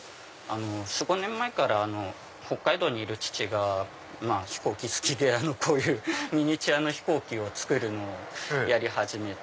４５年前から北海道にいる父が飛行機好きでこういうミニチュア飛行機を作るのをやり始めて。